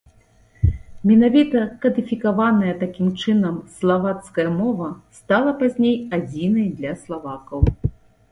Менавіта кадыфікаваная такім чынам славацкая мова стала пазней адзінай для славакаў.